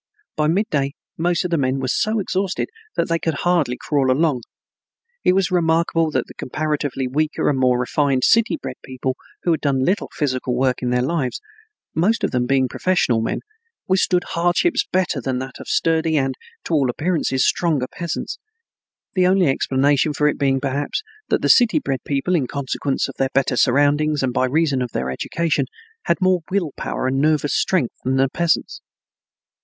By midday most of the men were so exhausted that they could hardly crawl along. It was remarkable that the comparatively weaker and more refined city bred people who had done little physical work in their lives, most of them being professional men, withstood hardships better than the sturdy and, to all appearances, stronger peasants; the only explanation for it being perhaps that the. city bred people, in consequence of their better surroundings and by reason of their education, had more will power and nervous strength than the peasants.